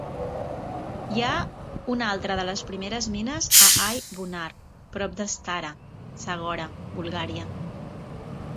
Hi ha una altra de les primeres mines a Ai Bunar, prop de Stara Zagora (Bulgària).